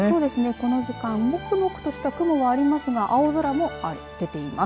この時間もくもくとした雲ありますが青空も出ています。